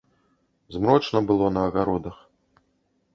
Змрочна было на агародах.